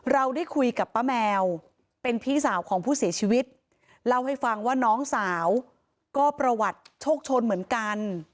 เราได้คุยกับป้าแมวเป็นพี่สาวของผู้เสียชีวิตเล่าให้ฟังว่าน้องสาวก็ประวัติโชคชนเหมือนกัน